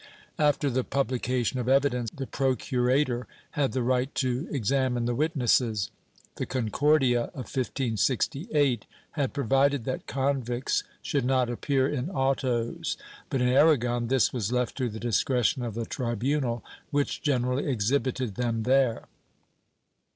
After the publication of evidence, the procurator had the right to exam ine the witnesses. The Concordia of 1568 had provided that convicts should not appear in autos, but in Aragon this was left to the discretion of the tribunal, which generally exhibited them there.